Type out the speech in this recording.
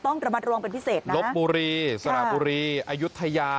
ต้องระมัดระวังเป็นพิเศษนะลบบุรีสระบุรีอายุทยา